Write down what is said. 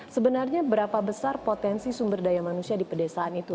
sebenarnya berapa besar potensi sumber daya manusia di pedesaan itu